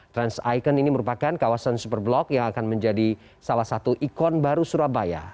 trans icon ini merupakan kawasan super blok yang akan menjadi salah satu ikon baru surabaya